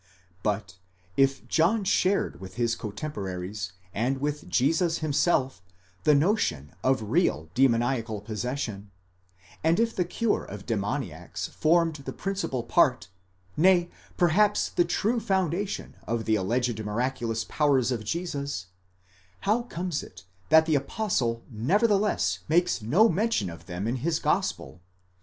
But if John shared with his cotemporaries and with Jesus himself the notion of real demoniacal possession, and if the cure of demoniacs formed the principal part, nay, perhaps the true foundation of the alleged miraculous powers of Jesus : how comes it that the Apostle nevertheless makes no mention of them in his gospel?